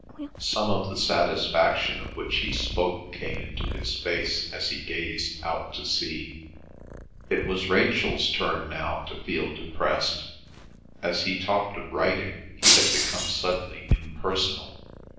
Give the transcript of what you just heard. Some of the satisfaction of which he spoke came into his face as he gazed out to sea. It was Rachel's turn now to feel depressed. As he talked of writing he had become suddenly impersonal.